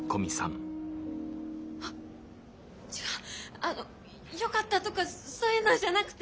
あのよかったとかそういうのじゃなくて！